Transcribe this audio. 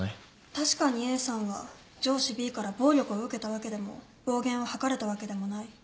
確かにＡさんは上司Ｂから暴力を受けたわけでも暴言を吐かれたわけでもない。